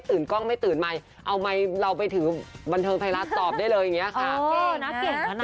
เอาไมเราไปถือวัลเทิร์๐๐๕ไฟลัสตอบได้เลยอย่างนี้ค่ะ